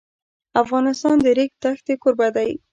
افغانستان د د ریګ دښتې کوربه دی.